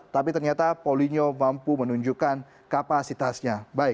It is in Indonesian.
tapi ternyata polino mampu menunjukkan kapasitasnya